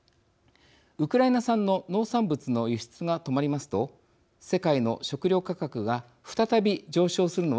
ウクライナ産の農産物の輸出が止まりますと世界の食料価格が再び上昇するのは確実です。